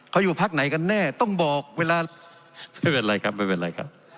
เขาอยู่พักไหนกันแน่ต้องบอกเวลาไม่เป็นไรครับไม่เป็นไรครับ